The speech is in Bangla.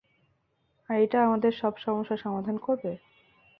আর এটা আমাদের সব সমস্যার সমাধান করবে?